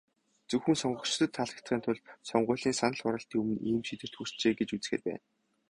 Зөвхөн сонгогчдод таалагдахын тулд, сонгуулийн санал хураалтын өмнө ийм шийдвэрт хүрчээ гэж үзэхээр байна.